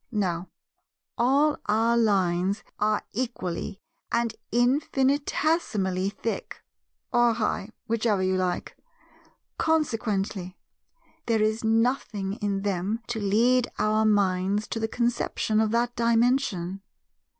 Now, all our lines are equally and infinitesimally thick (or high, whichever you like); consequently, there is nothing in them to lead our minds to the conception of that Dimension.